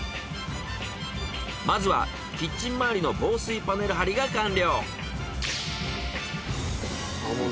まずはキッチン周りの防水パネル貼りが完了。